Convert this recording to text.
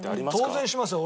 当然しますよ。